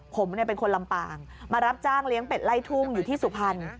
ผมเป็นคนลำปางมารับจ้างเลี้ยงเป็ดไล่ทุ่งอยู่ที่สุพรรณ